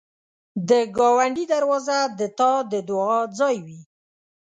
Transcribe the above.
د ګاونډي دروازه د تا د دعا ځای وي